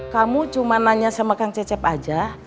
kamu cuma nanya sama kang cecep aja